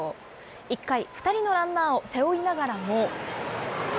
１回、２人のランナーを背負いながらも。